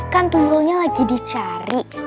kan toolnya lagi dicari